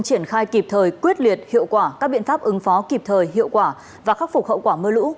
triển khai kịp thời quyết liệt hiệu quả các biện pháp ứng phó kịp thời hiệu quả và khắc phục hậu quả mưa lũ